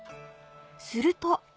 ［すると］